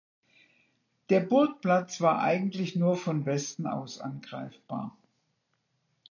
Der Burgplatz war eigentlich nur von Westen aus angreifbar.